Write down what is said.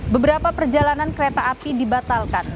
beberapa perjalanan kereta api dibatalkan